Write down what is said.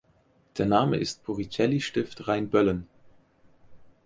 Der Name ist Puricelli-Stift Rheinböllen.